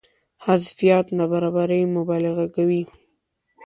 حذفيات نابرابرۍ مبالغه کوي.